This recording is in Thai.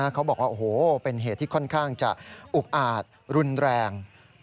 เขาบอกว่าโอ้โหเป็นเหตุที่ค่อนข้างจะอุกอาจรุนแรง